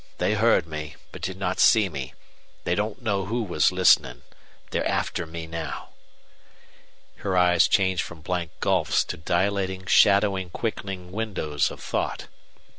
They heard me, but did not see me. They don't know who was listening. They're after me now." Her eyes changed from blank gulfs to dilating, shadowing, quickening windows of thought.